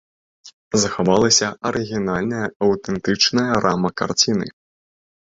Захавалася арыгінальная аўтэнтычная рама карціны.